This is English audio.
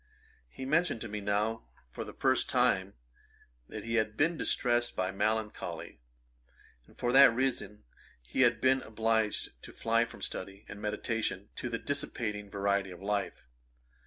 He mentioned to me now, for the first time, that he had been distrest by melancholy, and for that reason had been obliged to fly from study and meditation, to the dissipating variety of life.